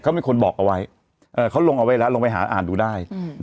เขามีคนบอกเอาไว้เขาลงเอาไว้แล้วลงไปหาอ่านดูได้